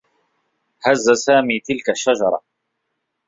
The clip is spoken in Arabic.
هزّ سامي تلك الشّجرة.